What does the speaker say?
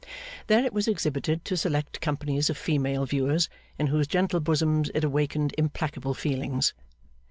There it was exhibited to select companies of female viewers, in whose gentle bosoms it awakened implacable feelings.